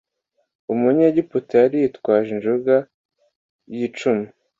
umunyegiputa yari yitwaje injunga y icumu